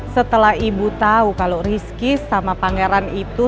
setelah ibu tahu kalau rizky sama pangeran itu